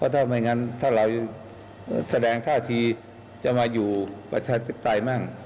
ถ้าเราแสดงกล้าทีจะมาอยู่ประธัติไตรมั่ง